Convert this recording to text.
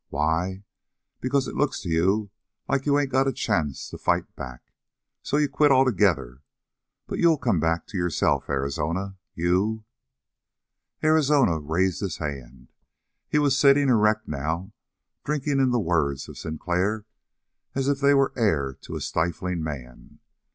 Why? Because it looks to you like you ain't got a chance to fight back. So you quit altogether. But you'll come back to yourself, Arizona. You " Arizona raised his hand. He was sitting erect now, drinking in the words of Sinclair, as if they were air to a stifling man.